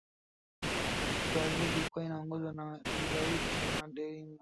brazil ilikuwa inaongozwa na gaucho na delima